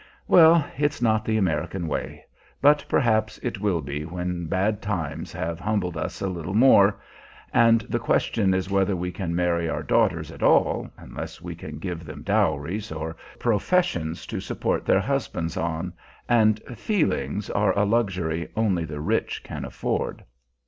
Well, it's not the American way; but perhaps it will be when bad times have humbled us a little more, and the question is whether we can marry our daughters at all unless we can give them dowries, or professions to support their husbands on, and "feelings" are a luxury only the rich can afford.